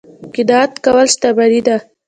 قناعت کول شتمني ده